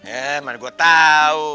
emang gua tau